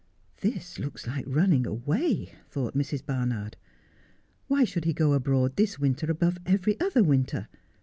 'This looks like running away,' thought Mrs. Barnard. ' Why should he go abroad this winter above every other winter